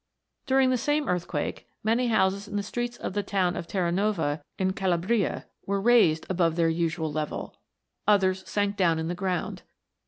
During the same earthquake, many houses in the streets of the town of Terra Nova, in Calabria, were raised above their usual level, others sank down in the ground.